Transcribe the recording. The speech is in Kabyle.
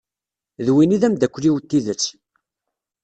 D win i d amdakel-iw n tidet.